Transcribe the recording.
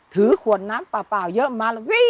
ถือขวดน้ำเปล่าเยอะมาแล้ววิ่ง